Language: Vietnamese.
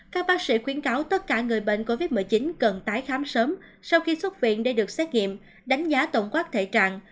các bác sĩ khuyến cáo tất cả người bệnh covid một mươi chín cần tái khám sớm sau khi xuất viện để được xét nghiệm đánh giá tổng quát thể trạng